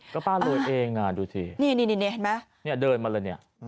ก็ป้ารวยเองดูสินี่เห็นไหมเนี่ยเดินมาเลยเนี่ย